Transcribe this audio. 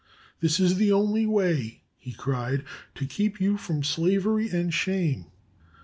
"This is the only way," he cried, "to keep you from slavery and shame."